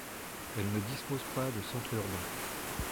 Elle ne dispose pas de centre urbain.